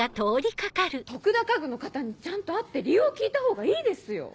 徳田家具の方にちゃんと会って理由を聞いたほうがいいですよ。